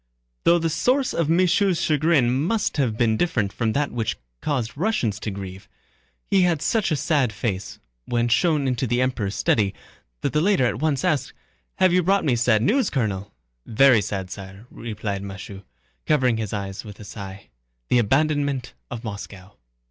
Though the source of M. Michaud's chagrin must have been different from that which caused Russians to grieve, he had such a sad face when shown into the Emperor's study that the latter at once asked: "Have you brought me sad news, Colonel?" "Very sad, sire," replied Michaud, lowering his eyes with a sigh. "The abandonment of Moscow."